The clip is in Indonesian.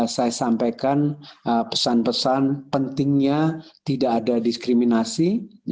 saya sampaikan pesan pesan pentingnya tidak ada diskriminasi